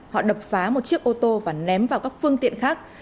họ đập phá một chiếc ô tô và ném vào các phương tiện khác